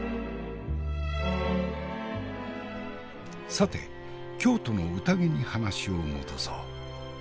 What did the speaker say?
さて京都の宴に話を戻そう。